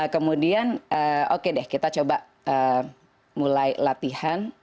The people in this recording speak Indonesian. kemudian oke deh kita coba mulai latihan